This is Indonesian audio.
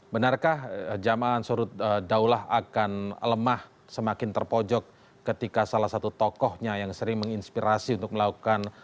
benarkah jamaah surut daulah akan lemah semakin terpojok ketika salah satu tokohnya yang sering menginspirasi untuk melakukan